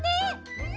うん！